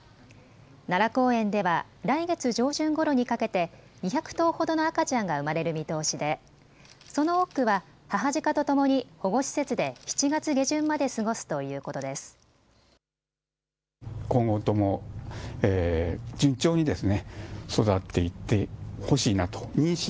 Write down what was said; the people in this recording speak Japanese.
奈良公園では来月上旬ごろにかけて２００頭ほどの赤ちゃんが生まれる見通しでその多くは母ジカとともに保護施設で７月下旬まで過ごすということです。